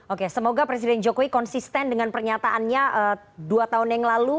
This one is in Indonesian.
oke semoga presiden jokowi konsisten dengan pernyataannya dua tahun yang lalu